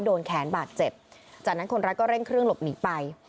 โดนแขนบาดเจ็บจากนั้นคนรักก็เร่งเครื่องหลบหนีไป